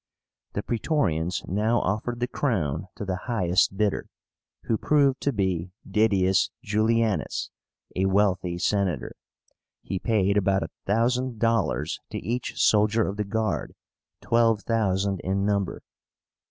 The Praetorians now offered the crown to the highest bidder, who proved to be DIDIUS JULIÁNUS, a wealthy Senator. He paid about a thousand dollars to each soldier of the Guard, twelve thousand in number.